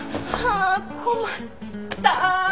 あ困った